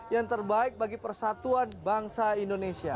yang terbaik bagi persatuan bangsa indonesia